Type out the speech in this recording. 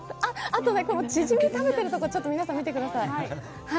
あとね、このチヂミ食べてるところ皆さん見てください。